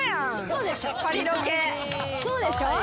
そうでしょ？